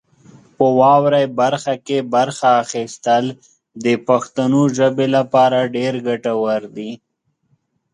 په واورئ برخه کې برخه اخیستل د پښتو ژبې لپاره ډېر ګټور دي.